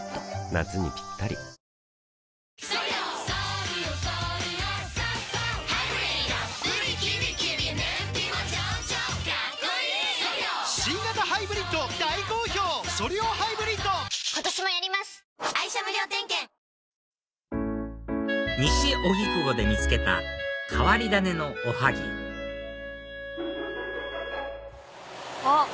夏にピッタリ西荻窪で見つけた変わり種のおはぎあっ